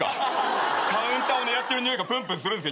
カウンターを狙ってるにおいがぷんぷんするんすよ。